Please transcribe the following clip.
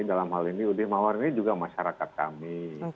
dalam hal ini udi mawar ini juga masyarakat kami